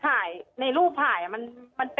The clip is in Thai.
ตอนที่จะไปอยู่โรงเรียนจบมไหนคะ